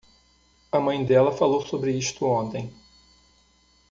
A mãe dela falou sobre isto ontem.